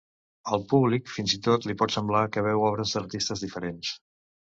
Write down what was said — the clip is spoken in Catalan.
Al públic, fins i tot, li pot semblar que veu obres d’artistes diferents.